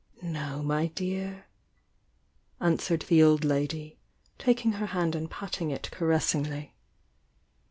"No, my dear!" answered the old lady, taking her hand and patting it caressingly.